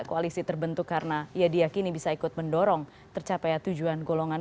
koalisi terbentuk karena ia diakini bisa ikut mendorong tercapai tujuan golongan